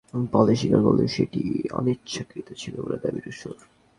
ধাক্কার ঘটনাটিকে অগ্রহণযোগ্য বলে স্বীকার করলেও সেটি অনিচ্ছাকৃত ছিল বলে দাবি রুশোর।